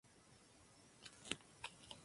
Parecía que eran los hombres más afortunados.